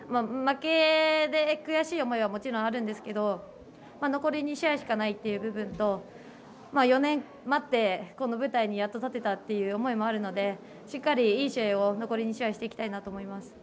負けで悔しい思いはもちろんあるんですけど残り２試合しかないという部分と４年待って、この舞台にやっと立てたという思いもあるのでしっかりいい試合を残り２試合していきたいなと思います。